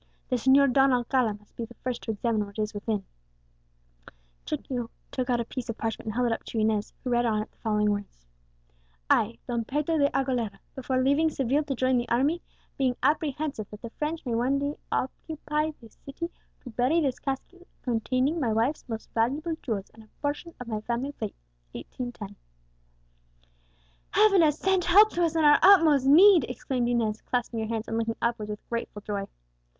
"The Señor Don Alcala must be the first to examine what is within." Chico took out a piece of parchment and held it up to Inez, who read on it the following words: "_I, Don Pedro de Aguilera, before leaving Seville to join the army, being apprehensive that the French may one day possibly occupy this city, do bury this casket containing my wife's most valuable jewels, and a portion of my family plate, 1810._" "Heaven has sent help to us in our utmost need!" exclaimed Inez, clasping her hands, and looking upwards with grateful joy.